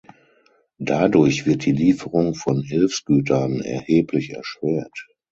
Dadurch wird die Lieferung von Hilfsgütern erheblich erschwert.